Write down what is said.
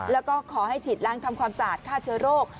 แล้วก็ขอให้ฉีดล้างทำความสะอาดฆ่าเชื้อโรค